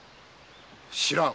知らん‼